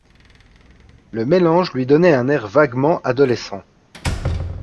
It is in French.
Le mélange lui donnait un air vaguement adolescent.